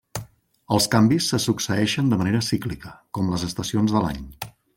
Els canvis se succeeixen de manera cíclica, com les estacions de l'any.